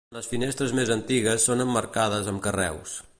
Les finestres més antigues són emmarcades amb carreus.